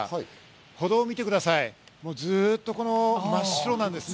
歩道を見てください、もう、ずっと真っ白なんですね。